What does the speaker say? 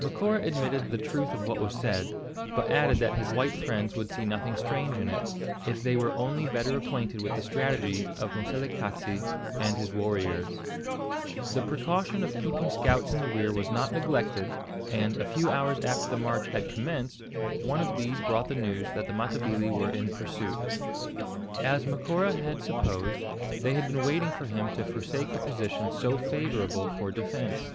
Macora admitted the truth of what was said, but added that his white friends would see nothing strange in it, if they were only better acquainted with the strategy of Moselekatse and his warriors. The precaution of keeping scouts in the rear was not neglected; and, a few hours after the march had commenced, one of these brought the news that the Matabili were in pursuit. As Macora had supposed, they had been waiting for him to forsake a position so favourable for defence.